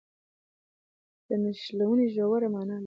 دا نښلونې ژوره مانا لري.